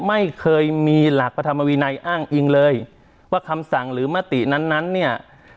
ไม่เคยมีหลักพระธรรมวินัยอ้างอิงเลยว่าคำสั่งหรือมตินั้นนั้นเนี่ย